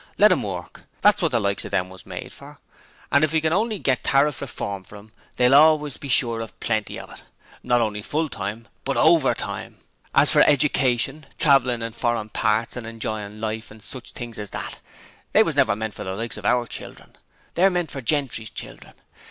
Let 'em work! That's wot the likes of them was made for, and if we can only get Tariff Reform for 'em they will always be sure of plenty of it not only Full Time, but Overtime! As for edication, travellin' in furrin' parts, an' enjoying life an' all sich things as that, they was never meant for the likes of our children they're meant for Gentry's children!